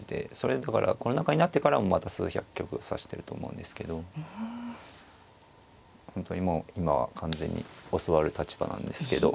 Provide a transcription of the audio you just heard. だからコロナ禍になってからもまた数百局指してると思うんですけど本当にもう今は完全に教わる立場なんですけど。